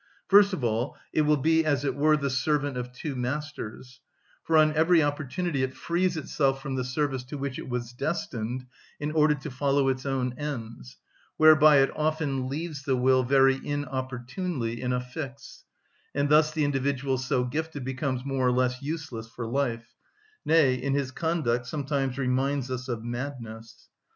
First of all, it will be, as it were, the servant of two masters, for on every opportunity it frees itself from the service to which it was destined in order to follow its own ends, whereby it often leaves the will very inopportunely in a fix, and thus the individual so gifted becomes more or less useless for life, nay, in his conduct sometimes reminds us of madness.